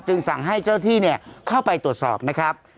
สั่งให้เจ้าที่เข้าไปตรวจสอบนะครับ